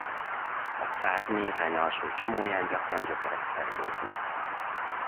A szár néhány alsó csomóján gyakran gyökerek fejlődnek.